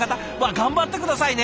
頑張って下さいね。